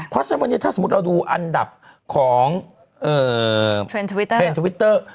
เพราะฉะนั้นวันนี้ถ้าสมมติเราดูอันดับของเพลงทวิตเตอร์